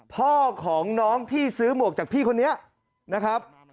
พ่อของน้องที่ซื้อหมวกจากพี่คนนี้นะครับ